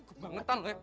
kebangetan lo ya